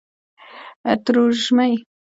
ترژومۍ